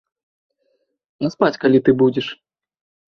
А спаць калі ты будзеш?